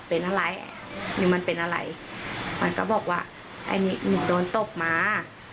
เป็นอะไรจะเป็นอะไรไม่ก็บอกว่ามีโดนตบมา